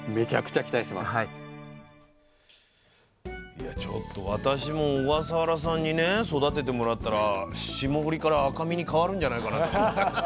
いやちょっと私も小笠原さんにね育ててもらったら霜降りから赤身に変わるんじゃないかなと思った。